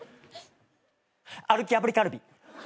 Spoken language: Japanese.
歩きあぶりカルビ。